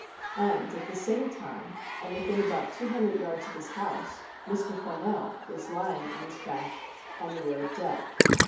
And at the same time, and within about two hundred yards of his house, Mr. Farnell was lying on his back on the road dead.